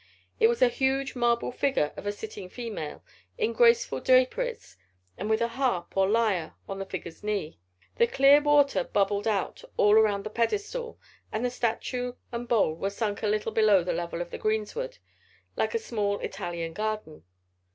It was a huge marble figure of a sitting female, in graceful draperies and with a harp, or lyre, on the figure's knee. The clear water bubbled out all around the pedestal, and the statue and bowl were sunk a little below the level of the greensward, like a small Italian garden.